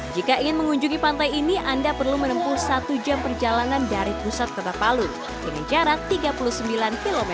jika ingin mengunjungi pantai ini anda perlu menempuh satu jam perjalanan dari pusat kota palu dengan jarak tiga puluh sembilan km